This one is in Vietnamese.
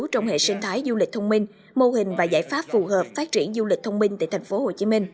trong hệ sinh thái du lịch thông minh mô hình và giải pháp phù hợp phát triển du lịch thông minh tại tp hcm